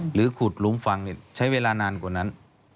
หรือขุดหลุมฝังใช้เวลานานกว่านั้น